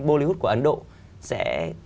bollywood của ấn độ sẽ